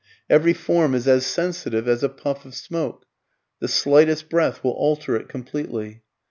Every form is as sensitive as a puff of smoke, the slightest breath will alter it completely.